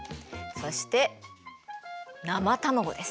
そして生卵です。